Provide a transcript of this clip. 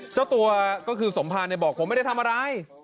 เจ้าตัวก็คือสมภารบอกผมไม่ได้ทำอะไร